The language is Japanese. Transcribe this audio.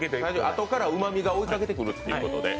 あとからうまみが追いかけてくるということで。